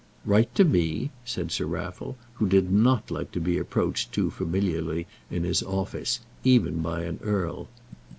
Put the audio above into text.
"Write to me," said Sir Raffle, who did not like to be approached too familiarly in his office, even by an earl.